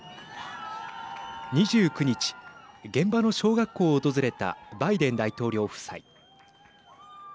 ２９日、現場の小学校を訪れたバイデン大統領夫妻。